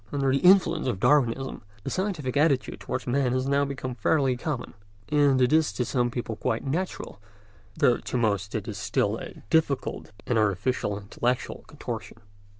Under the influence of Darwinism the scientific attitude towards man has now become fairly common, and is to some people quite natural, though to most it is still a difficult and artificial intellectual contortion.